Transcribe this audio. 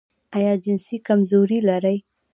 ایا جنسي کمزوري لرئ؟